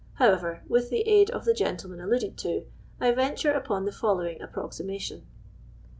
However, Avith the aid of the g. ntleiuen alluded to, I venture upon the following approximation.